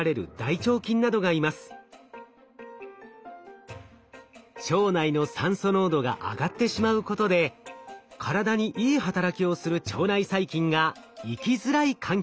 腸内の酸素濃度が上がってしまうことで体にいい働きをする腸内細菌が生きづらい環境になっていたのです。